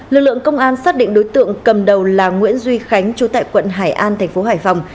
lực lượng công an xác định đối tượng cầm đầu là nguyễn duy khánh chú tại quận hải an thành phố hải phòng